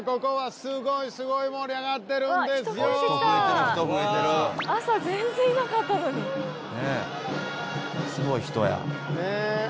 すごい人や。